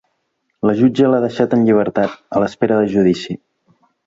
La jutge l’ha deixat en llibertat, a l’espera de judici.